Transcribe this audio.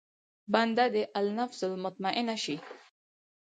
بنده دې النفس المطمئنه شي.